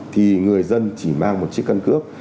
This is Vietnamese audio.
thì người dân chỉ mang một chiếc cân cước